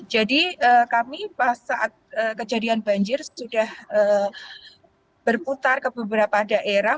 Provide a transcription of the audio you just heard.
jadi kami pas saat kejadian banjir sudah berputar ke beberapa daerah